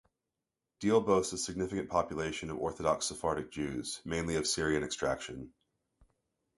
Deal boasts a significant population of Orthodox Sephardic Jews, mainly of Syrian extraction.